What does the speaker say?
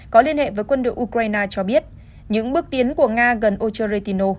có liên hệ với quân đội ukraine cho biết những bước tiến của nga gần ocherretino